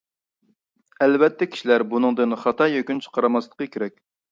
ئەلۋەتتە، كىشىلەر بۇنىڭدىن خاتا يەكۈن چىقارماسلىقى كېرەك.